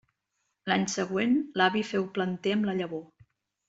L'any següent l'avi féu planter amb la llavor.